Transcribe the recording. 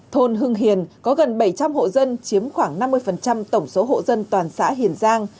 thôn hưng hiền có gần bảy trăm linh hộ dân chiếm khoảng năm mươi tổng số hộ dân toàn xã hiền giang